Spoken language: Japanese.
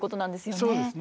そうですね。